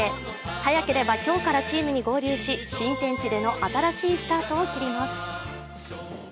早ければ今日からチームに合流し、新天地での新しいスタートを切ります。